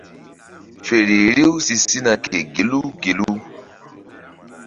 Feri riw si sina ke gelu gelu.